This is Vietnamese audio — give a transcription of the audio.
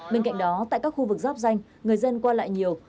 bên cạnh đó tại các khu vực giáp danh người dân qua lại nhiều